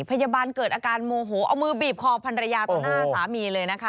พยาบาลเกิดอาการโมโหเอามือบีบคอพันรยาต่อหน้าสามีเลยนะคะ